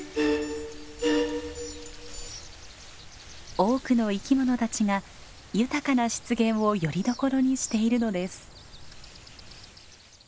多くの生き物たちが豊かな湿原をよりどころにしているのです。